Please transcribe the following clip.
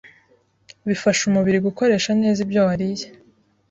bifasha umubiri gukoresha neza ibyo wariye